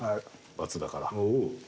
罰だから。